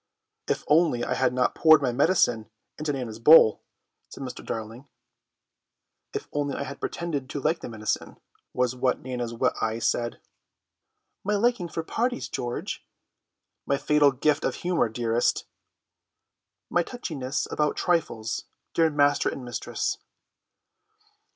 "If only I had not poured my medicine into Nana's bowl," said Mr. Darling. "If only I had pretended to like the medicine," was what Nana's wet eyes said. "My liking for parties, George." "My fatal gift of humour, dearest." "My touchiness about trifles, dear master and mistress."